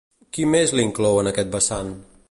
Qui més l'inclou en aquest vessant?